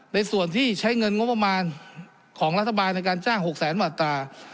ในส่วนที่ใช้เงินงบประมาณของรัฐบาลในการจ้าง๖แสนมาตรา